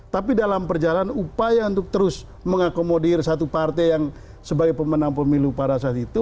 tapi dalam perjalanan upaya untuk terus mengakomodir satu partai yang sebagai pemenang pemilu pada saat itu